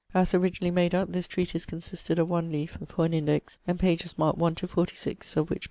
As originally made up, this treatise consisted of one leaf (for an index) and pages marked 1 46 (of which pp.